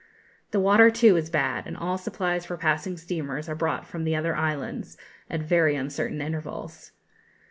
The water, too, is bad, and all supplies for passing steamers are brought from the other islands, at very uncertain intervals.